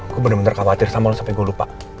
gue bener bener khawatir sama lo sampai gue lupa